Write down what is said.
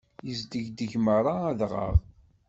Yesdegdeg merra adɣaɣ.